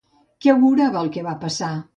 Què augurava el que va passar?